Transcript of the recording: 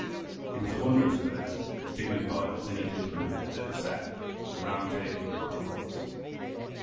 He was a wondrous bird, as dignified As any Diplomat That ever sat By the round table of a Conference.